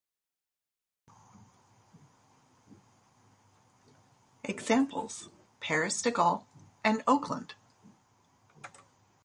Examples: Paris-de Gaulle and Oakland.